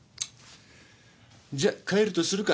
じゃ帰るとするか。